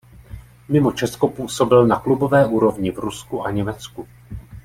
Mimo Česko působil na klubové úrovni v Rusku a Německu.